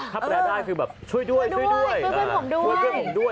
ถ้าแปลได้คือช่วยด้วยช่วยด้วยช่วยเพื่อนผมด้วย